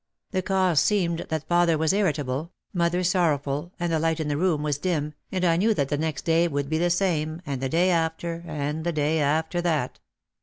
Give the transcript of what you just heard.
The cause seemed that father was irritable, mother sor rowful, and the light in the room was dim, and I knew that the next day it would be the same, and the day after, and the day after that.